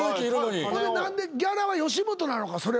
ほんでギャラは吉本なのか？